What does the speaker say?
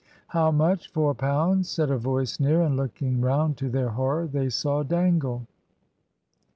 "How much? four pounds?" said a voice near; and looking round, to their horror they saw Dangle.